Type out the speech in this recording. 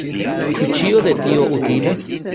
Ĉu ĉio de tio utilas?